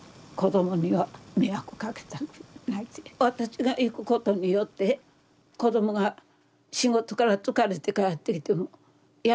私が行くことによって子どもが仕事から疲れて帰ってきてもやっぱり気になるから。